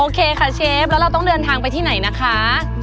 ค่ะเชฟแล้วเราต้องเดินทางไปที่ไหนนะคะ